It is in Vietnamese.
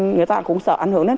người ta cũng sợ ảnh hưởng đến